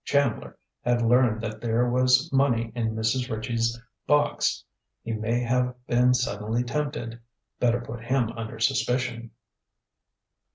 Chandler had learned that there was money in Mrs. Ritchie's box. He may have been suddenly tempted. Better put him under suspicion.